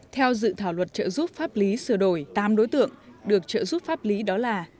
theo dự thảo luật trợ giúp pháp lý sửa đổi tám đối tượng được trợ giúp pháp lý đó là